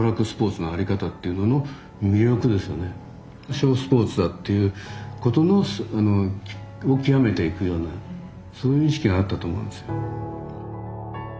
ショースポーツだっていうことのを極めていくようなそういう意識があったと思うんですよ。